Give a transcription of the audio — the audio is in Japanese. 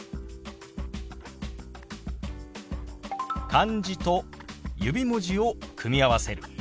漢字と指文字を組み合わせる。